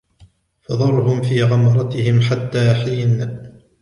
فَذَرْهُمْ فِي غَمْرَتِهِمْ حَتَّى حِينٍ